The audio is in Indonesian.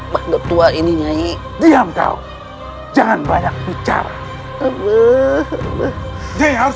bantuan tua ini nyai diam kau jangan banyak bicara